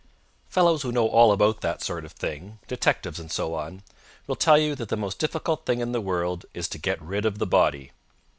Fellows who know all about that sort of thing detectives, and so on will tell you that the most difficult thing in the world is to get rid of the body.